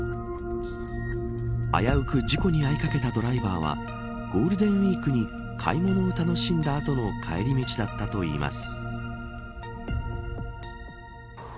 危うく事故に遭いかけたドライバーはゴールデンウイークに買い物を楽しんだ後の帰り道だったといいます。